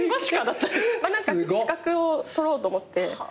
何か資格を取ろうと思って。